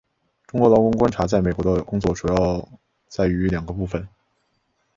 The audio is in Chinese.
中国劳工观察在美国的工作主要在于两个部份。